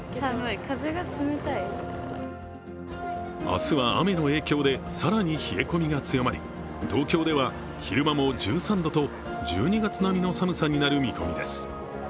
明日は雨の影響で更に冷え込みが強まり、東京では昼間も１３度と１２月並みの寒さになる見込みです。